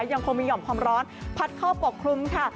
ยังคงมีห่อมความร้อนพัดเข้าปกครุมค่ะ